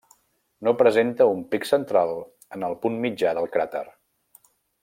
No presenta un pic central en el punt mitjà del cràter.